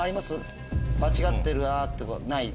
間違ってるなとかない？